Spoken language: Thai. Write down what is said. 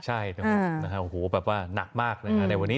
ใช่โอ้โหแบบว่าหนักมากในวันนี้